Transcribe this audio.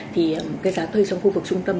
thì giá thuê trong khu vực trung tâm